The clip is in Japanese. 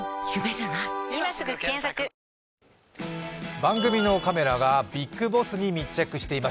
番組のカメラがビッグボスに密着しています。